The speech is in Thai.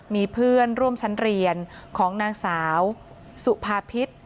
มีเพื่อนร่วมชั้นเรียนของนางสาวสุภาพิษ